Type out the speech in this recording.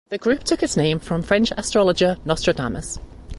The group took its name from French astrologer Nostradamus.